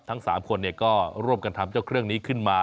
ทั้ง๓คนก็ร่วมกันทำเจ้าเครื่องนี้ขึ้นมา